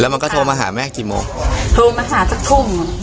มันก็โทรมาหาแม่กี่โมงโทรมาหาสักทุ่ม